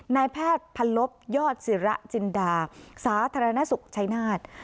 นายแพทย์พันลบยอดศิระจินดาสาธารณสุขชัยนาธ